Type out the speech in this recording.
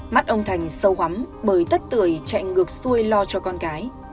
mắt ông thành sâu hắm bởi tất tuổi chạy ngược xuôi lo cho con cái